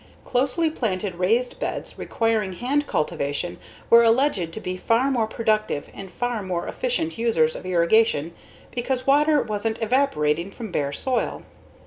Closely planted raised beds requiring hand cultivation were alleged to be far more productive and far more efficient users of irrigation because water wasn't evaporating from bare soil.